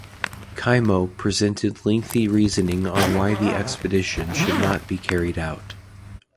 Cai Mo presented lengthy reasoning on why the expedition should not be carried out.